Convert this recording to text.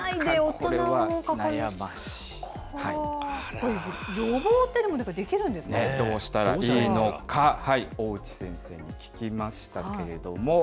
これ、予防って何かできるんどうしたらいいのか、大内先生に聞きましたけれども。